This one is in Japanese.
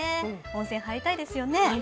温泉、入りたいですよね。